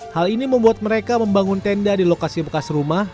hal ini membuat mereka membangun tenda di lokasi bekas rumah